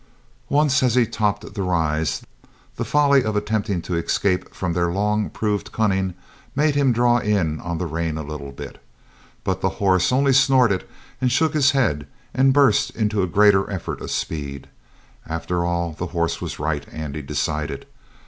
Once, as he topped the rise, the folly of attempting to escape from their long proved cunning made him draw in on the rein a little; but the horse only snorted and shook his head and burst into a greater effort of speed. After all, the horse was right, Andy decided.